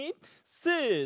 せの！